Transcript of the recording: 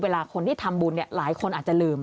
เวลาคนที่ทำบุญหลายคนอาจจะลืม